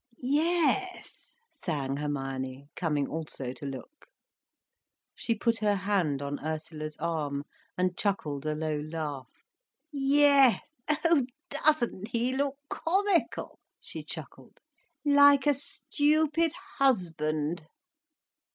"Yes," sang Hermione, coming also to look. She put her hand on Ursula's arm and chuckled a low laugh. "Yes, doesn't he look comical?" she chuckled. "Like a stupid husband."